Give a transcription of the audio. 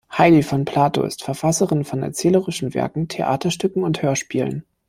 Heidi von Plato ist Verfasserin von erzählerischen Werken, Theaterstücken und Hörspielen.